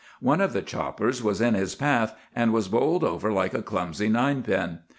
One of the choppers was in his path, and was bowled over like a clumsy ninepin.